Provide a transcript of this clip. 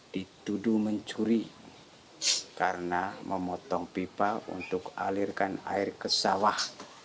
dituduh mencuri karena memotong pipa untuk alirkan air ke sawah